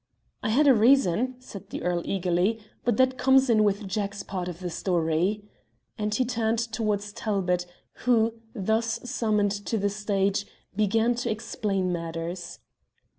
"I had a reason," said the earl eagerly, "but that comes in with Jack's part of the story." And he turned towards Talbot, who, thus summoned to the stage, began to explain matters.